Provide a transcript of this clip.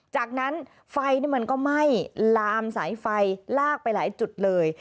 จากนั้นไฟมันก็ไหม้ลามสายไฟลากไปหลายจุดเลย